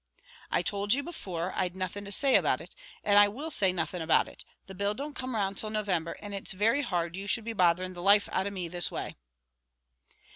"I towld you before I'd nothing to say about it and I will say nothing about it; the bill don't come round till November, and it's very hard you should be bothering the life out of me this way."